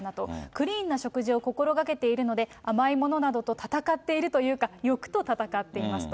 クリーンな食事を心がけているので、甘いものなどと戦っているというか、欲と戦っていますと。